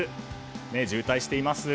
渋滞しています。